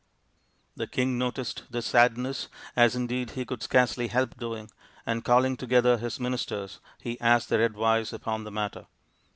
The king noticed this sadness, as indeed he could scarcely help doing, and calling together his ministers, he asked their advice upon the matter.